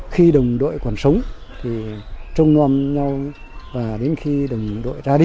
khi đồng đội còn sống thì trông non nhau và đến khi đồng đội ra đi